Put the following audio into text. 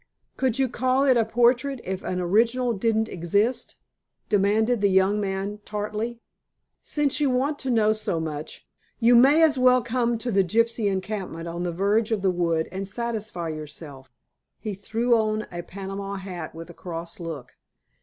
"Could you call it a portrait if an original didn't exist?" demanded the young man tartly. "Since you want to know so much, you may as well come to the gypsy encampment on the verge of the wood and satisfy yourself." He threw on a Panama hat, with a cross look.